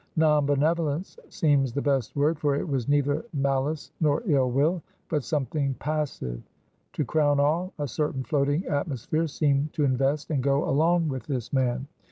Non Benevolence seems the best word, for it was neither Malice nor Ill will; but something passive. To crown all, a certain floating atmosphere seemed to invest and go along with this man.